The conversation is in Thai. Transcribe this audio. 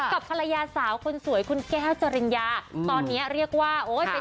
กับภรรยาสาวคนสวยคุณแก้วจริญญาตอนนี้เรียกว่าโอ้ยเป็น